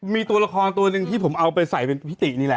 มีตัวละครตัวหนึ่งที่ผมเอาไปใส่เป็นพิตินี่แหละ